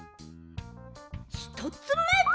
ひとつめ！